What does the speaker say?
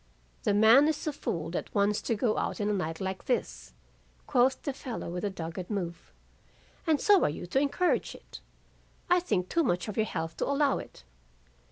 "'The man is a fool that wants to go out in a night like this,' quoth the fellow with a dogged move; 'and so are you to encourage it. I think too much of your health to allow it.